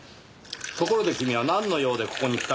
ところで君はなんの用でここに来たのですか？